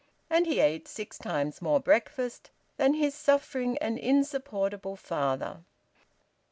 And he ate six times more breakfast than his suffering and insupportable father.